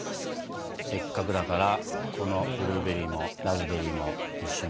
せっかくだからこのブルーベリーもラズベリーも一緒にいただきたい。